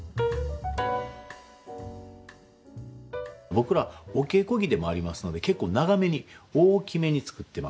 僕らお稽古着でもありますので結構長めに大きめに作ってますね。